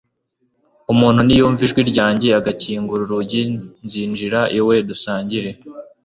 umuntu niyumva ijwi ryanjye agakingura urugi nzinjira iwe dusangire